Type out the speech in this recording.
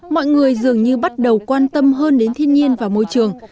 mọi người dường như bắt đầu quan tâm hơn đến thiên nhiên và môi trường